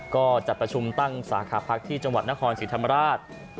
ก็จัดประชุมตั้งสาขาพักที่จังหวัดนครศรีธรรมราช